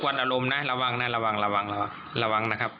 ระวังนะระวังระวังระวังนะครับ